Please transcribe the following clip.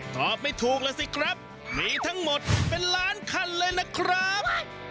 ตอบไม่ถูกแล้วสิครับมีทั้งหมดเป็นล้านคันเลยนะครับ